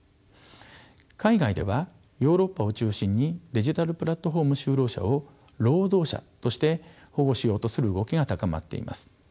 海外ではヨーロッパを中心にデジタルプラットフォーム就労者を労働者として保護しようとする動きが高まっています。